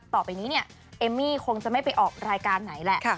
ต่อไปนี้เนี่ยเอมมี่คงจะไม่ไปออกรายการไหนแหละ